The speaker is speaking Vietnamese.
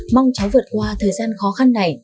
mong cháu vượt qua thời gian khó khăn